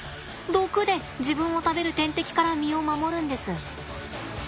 毒で自分を食べる天敵から身を守るんです。